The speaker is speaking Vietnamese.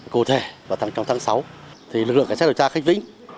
cụ thể vào trong tháng sáu lực lượng cảnh sát điều tra khánh vĩnh